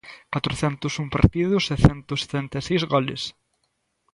Catrocentos un partidos e cento setenta e seis goles.